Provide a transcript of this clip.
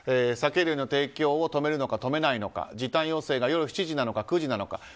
酒類の提供を止めるのか止めないのか時短要請が夜７時なのか９時なのか